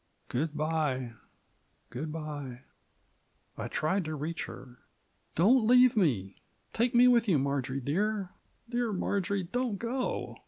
Good by, good by." I tried to reach her. "Don't leave me; take me with you, Marjory, dear. Dear Marjory, don't go!"